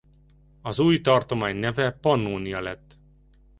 Az új tartomány neve Pannonia lett.